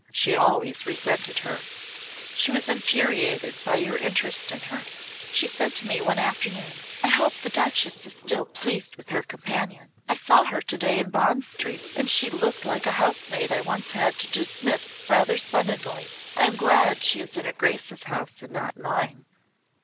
She always resented her. She was infuriated by your interest in her. She said to me one afternoon, 'I hope the Duchess is still pleased with her companion. I saw her to day in Bond Street and she looked like a housemaid I once had to dismiss rather suddenly. I am glad she is in her grace's house and not in mine.'"